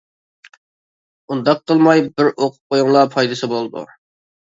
-ئۇنداق قىلماي بىر ئوقۇپ قويۇڭلا پايدىسى بولىدۇ.